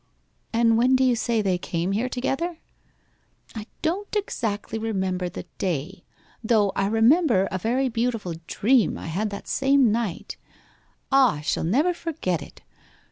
'And when do you say they came here together?' 'I don't exactly remember the day though I remember a very beautiful dream I had that same night ah, I shall never forget it!